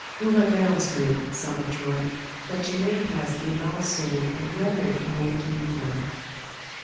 'Hew her down, Smid, son of Troll, that she may pass the Amal's soul and gladden it on her way to Niflheim.